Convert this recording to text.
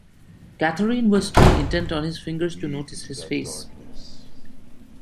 Catherine was too intent on his fingers to notice his face.